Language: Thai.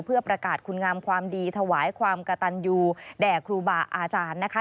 เพื่อประกาศคุณงามความดีถวายความกระตันยูแด่ครูบาอาจารย์นะคะ